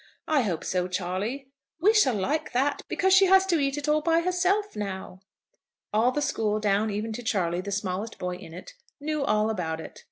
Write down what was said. "I hope so, Charley." "We shall like that, because she has to eat it all by herself now." All the school, down even to Charley, the smallest boy in it, knew all about it. Mr.